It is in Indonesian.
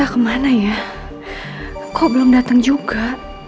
kemana ya kok belum datang juga